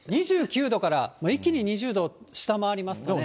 ２９度から一気に２０度を下回りますよね。